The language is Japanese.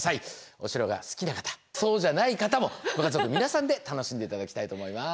お城が好きな方そうじゃない方もご家族皆さんで楽しんで頂きたいと思います。